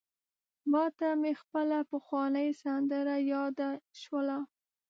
ماته مي خپله پخوانۍ سندره یاده سوله: